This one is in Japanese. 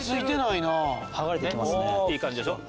いい感じでしょ。